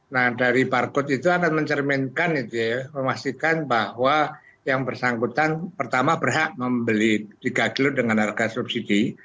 nah dari barcode itu akan mencerminkan itu ya memastikan bahwa yang bersangkutan pertama berhak membeli tiga kilo dengan harga subsidi